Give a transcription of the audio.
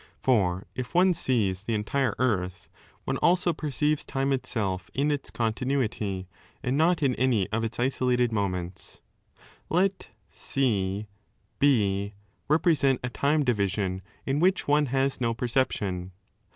For if one sees the entire earth, one also perceives time itself in its continuity, and not in any of its isolated moments. Let 18 C B represent a time division in which one has no perception.